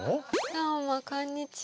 どうもこんにちは。